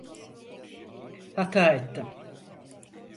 Hata ettim.